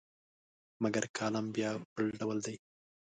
مګر کالم بیا بل ډول دی.